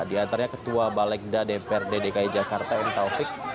diantaranya ketua balegda dpr dki jakarta m taufik